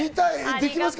できますか？